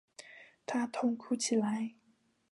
他痛哭起来